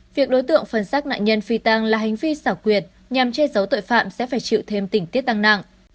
việc đối tượng phần xác nạn nhân phi tăng là hành vi xảo quyệt nhằm che giấu tội phạm sẽ phải chịu thêm tỉnh tiết tăng nặng